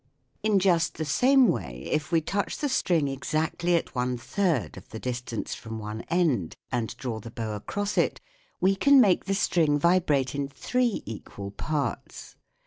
In just the same way if we touch the string exactly at one third of the distance from one end, and draw the bow across it, we can make the string vibrate in three equal parts.